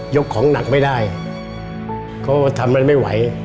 ยกของหนักไม่ได้ก็ทำมันไม่ไหว